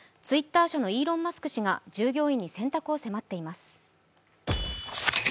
Ｔｗｉｔｔｅｒ社のイーロン・マスク氏が従業員に選択を迫っています。